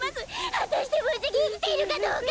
はたしてぶじにいきているかどうか。